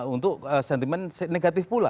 untuk sentimen negatif pula